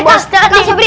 eh bosnya dicuekin